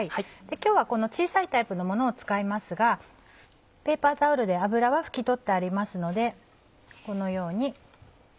今日はこの小さいタイプのものを使いますがペーパータオルで油は拭き取ってありますのでこのように。